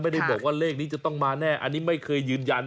ไม่ได้บอกว่าเลขนี้จะต้องมาแน่อันนี้ไม่เคยยืนยัน